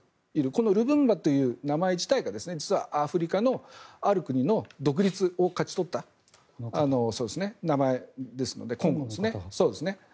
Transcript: このルムンバという名前自体が実は、アフリカのある国の独立を勝ち取った名前ですのでコンゴですね。